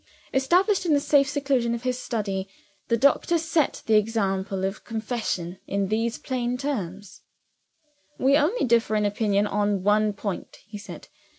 Established in the safe seclusion of his study, the doctor set the example of confession in these plain terms: "We only differ in opinion on one point," he said.